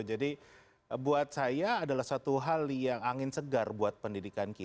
jadi buat saya adalah satu hal yang angin segar buat pendidikan kita